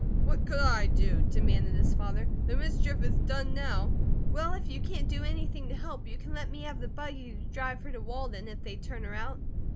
"What could I do?" demanded his father. "The mischief is done now." "Well, if you can't do anything to help, you can let me have the buggy to drive her to Walden, if they turn her out."